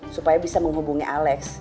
supaya bisa menghubungi alex